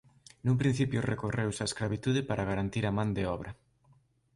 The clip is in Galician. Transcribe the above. Nun principio recorreuse á escravitude para garantir a man de obra.